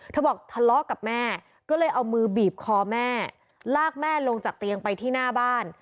บอกทะเลาะกับแม่ก็เลยเอามือบีบคอแม่ลากแม่ลงจากเตียงไปที่หน้าบ้าน